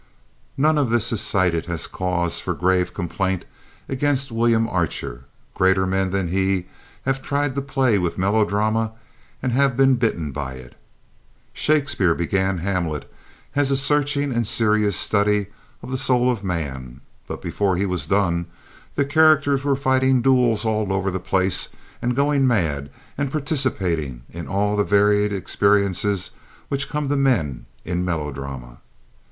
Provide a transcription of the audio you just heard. None of this is cited as cause for grave complaint against William Archer. Greater men than he have tried to play with melodrama and have been bitten by it. Shakespeare began Hamlet as a searching and serious study of the soul of man, but before he was done the characters were fighting duels all over the place and going mad and participating in all the varied experiences which come to men in melodrama.